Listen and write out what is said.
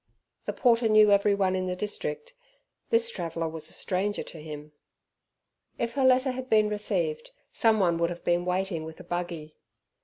The porter knew everyone in the district. This traveller was a stranger to him. If her letter had been received, someone would have been waiting with a buggy.